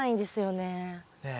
ねえ。